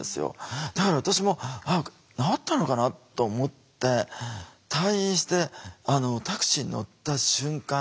だから私も「あっ治ったのかな」と思って退院してタクシーに乗った瞬間